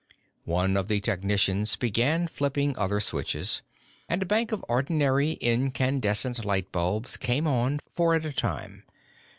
One of the technicians began flipping other switches, and a bank of ordinary incandescent light bulbs came on, four at a time.